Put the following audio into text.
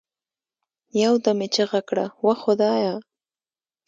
يو دم يې چيغه كړه وه خدايه!